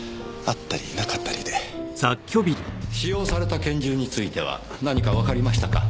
使用された拳銃については何かわかりましたか？